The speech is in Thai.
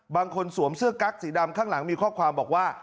สวมเสื้อกั๊กสีดำข้างหลังมีข้อความบอกว่า